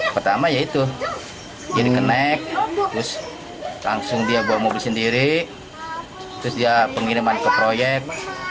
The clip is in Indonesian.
pertama ya itu ini naik terus langsung dia bawa mobil sendiri terus dia pengiriman ke proyek